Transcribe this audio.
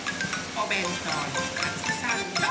おべんとうのカツサンド。